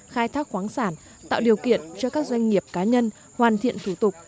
khai thác khoáng sản tạo điều kiện cho các doanh nghiệp cá nhân hoàn thiện thủ tục